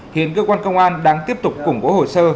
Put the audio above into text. hiện cơ quan công an đang tiếp tục củng cố hồ sơ